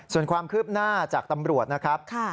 ส่วนความคืบหน้าจากตำรวจนะครับ